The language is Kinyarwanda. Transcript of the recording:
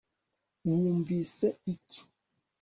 wumvise iki